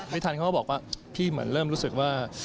ไม่ทันเขาก็บอกว่าพี่เหมือนเริ่มรู้สึกว่า